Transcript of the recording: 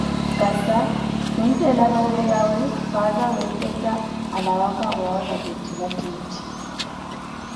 Kasa, khunttela roho yawe, khwaaza weettetta alawaka owawe, vattitthi vattitthi!